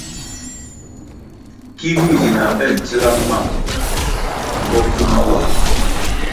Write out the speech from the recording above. Ki vi nzi na mbpe ntsiga mam bopfuma wa.